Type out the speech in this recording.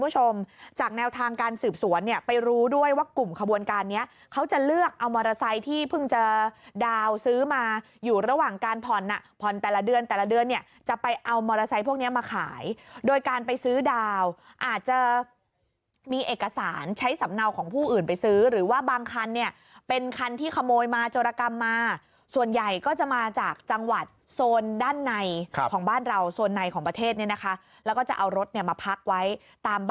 ชมจากแนวทางการสืบสวนเนี้ยไปรู้ด้วยว่ากลุ่มขบวนการเนี้ยเขาจะเลือกเอามอเตอร์ไซค์ที่เพิ่งเจอดาวซื้อมาอยู่ระหว่างการผ่อนอ่ะผ่อนแต่ละเดือนแต่ละเดือนเนี้ยจะไปเอามอเตอร์ไซค์พวกเนี้ยมาขายโดยการไปซื้อดาวอาจจะมีเอกสารใช้สำเนาของผู้อื่นไปซื้อหรือว่าบางคันเนี้ยเป็นคันที่ขโมยมาโจรกรรมมา